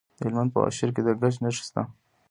د هلمند په واشیر کې د ګچ نښې شته.